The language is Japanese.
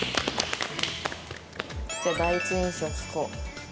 じゃあ第一印象聞こう。